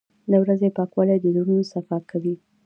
• د ورځې پاکوالی د زړونو صفا کوي.